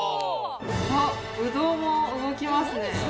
あっブドウも動きますね。